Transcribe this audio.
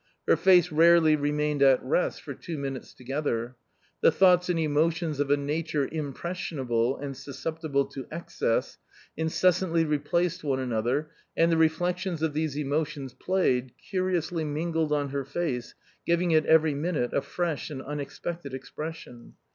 Her face rarely remained at rest for two minutes together. The thoughts and emotions of a nature impressionable and susceptible to excess, inces santly replaced one another, and the reflections of these emotions played, curiously mingled on her face, giving it every minute a fresh and unexpected expression.